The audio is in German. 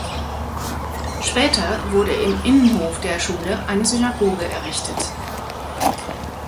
Später wurde im Innenhof der Schule eine Synagoge errichtet.